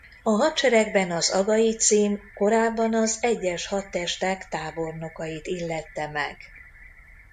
A hadseregben az agai cím korábban az egyes hadtestek tábornokait illette meg.